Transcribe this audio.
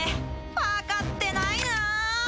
わかってないな。